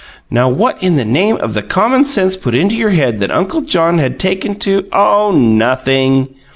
Now what in the name of the common sense put it into your head that Uncle John had taken to " "Oh, nothing."